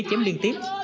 chém liên tiếp